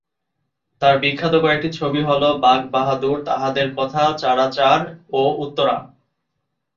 তার বিখ্যাত কয়েকটি ছবি হল বাঘ বাহাদুর, তাহাদের কথা, চারাচার ও উত্তরা।